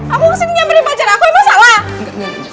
aku kesini nyamperi pacar aku emang salah